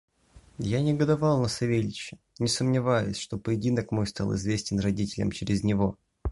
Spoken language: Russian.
Я негодовал на Савельича, не сомневаясь, что поединок мой стал известен родителям через него.